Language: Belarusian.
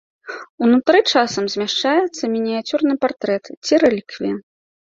Унутры часам змяшчаецца мініяцюрны партрэт ці рэліквія.